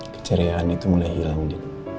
keceriaan itu mulai hilang